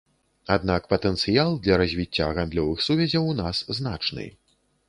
Аднак патэнцыял для развіцця гандлёвых сувязяў у нас значны.